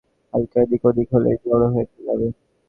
হালকা এদিক ওদিক হলেই জড়ো হয়ে যাবে।